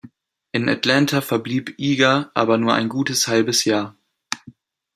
In Atlanta verblieb Eager aber nur ein gutes halbes Jahr.